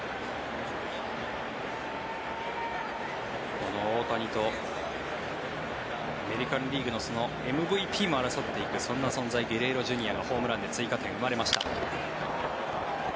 この大谷とアメリカン・リーグのＭＶＰも争っていくそんな存在、ゲレーロＪｒ．がホームランで追加点が生まれました。